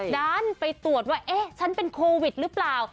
ด้านไปตรวจว่าเอ๊ะฉันเป็นโควิดหรือเปล่า